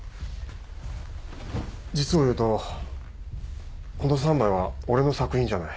実を言うとこの３枚は俺の作品じゃない。